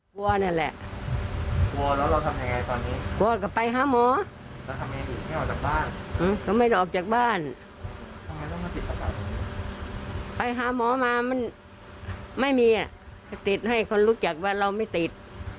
กลัวแน่แหละก็ไปมามั้งมันไม่มีคำติดให้คนรู้จักว่าเราไม่ติด